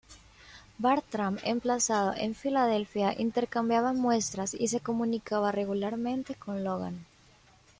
Bartram, emplazado en Filadelfia, intercambiaba muestras y se comunicaba regularmente con Logan.